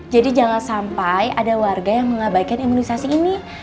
jadi jangan sampai ada warga yang mengabaikan imunisasi ini